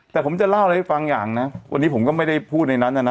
แต่ผมจะเล่าอะไรให้ฟังอย่างนะวันนี้ผมก็ไม่ได้พูดในนั้นน่ะนะ